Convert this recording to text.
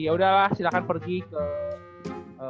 yaudah lah silahkan pergi ke